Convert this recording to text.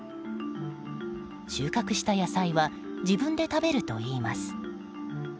収穫した野菜は自分で食べるといいます。